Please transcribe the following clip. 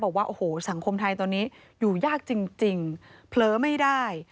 บอกว่าโอ้โหสังคมไทยตอนนี้อยู่ยากจริงเผลอไม่ได้